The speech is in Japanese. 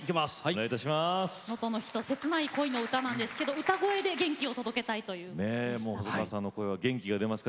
切ない恋の歌なんですけど歌声で元気を届けたいということです。